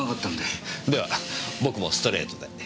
では僕もストレートで。